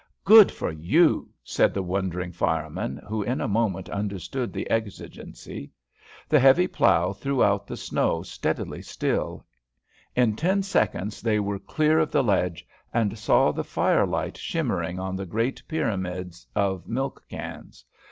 "Good for you!" said the wondering fireman, who in a moment understood the exigency. The heavy plough threw out the snow steadily still, in ten seconds they were clear of the ledge, and saw the fire light shimmering on the great pyramids of milk cans.